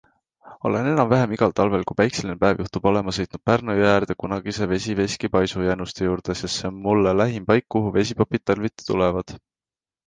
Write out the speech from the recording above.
Olen enam-vähem igal talvel, kui päikseline päev juhtub olema, sõitnud Pärnu jõe äärde kunagise vesiveski paisu jäänuste juurde, sest see on mulle lähim paik, kuhu vesipapid talviti tulevad.